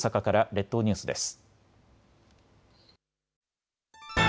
列島ニュースです。